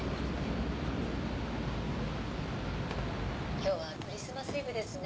・今日はクリスマスイブですね。